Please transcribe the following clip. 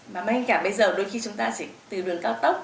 mà ngay cả bây giờ đôi khi chúng ta chỉ từ đường cao tốc